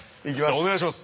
お願いします。